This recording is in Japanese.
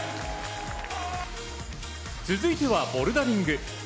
続いてはボルダリング。